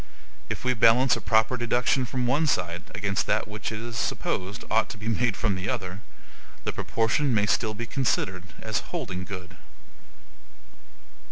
If we balance a proper deduction from one side against that which it is supposed ought to be made from the other, the proportion may still be considered as holding good.